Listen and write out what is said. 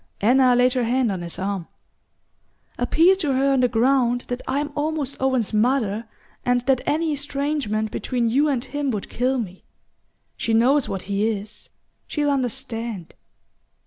Anna laid her hand on his arm. "Appeal to her on the ground that I'm almost Owen's mother, and that any estrangement between you and him would kill me. She knows what he is she'll understand.